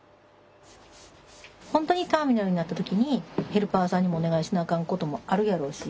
本当にターミナルになった時にヘルパーさんにもお願いしなあかんこともあるやろうし。